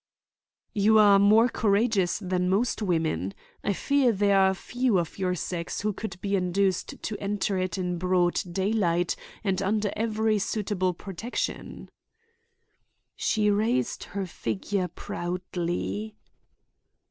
"You are more courageous than most women! I fear there are few of your sex who could be induced to enter it in broad daylight and under every suitable protection." She raised her figure proudly.